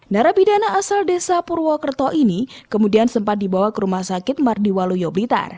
narapidana asal desa purwokerto ini kemudian sempat dibawa ke rumah sakit mardiwaluyo blitar